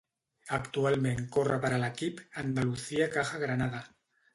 Actualment corre per a l'equip Andalucía Caja Granada.